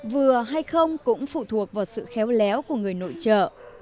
vừa hay không cũng phụ thuộc vào sự khéo léo của người nội trợ